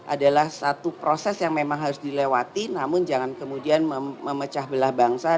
adalah satu proses yang memang harus dilewati namun jangan kemudian memecah belah bangsa